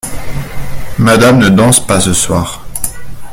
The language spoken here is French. Madame ne danse pas ce soir.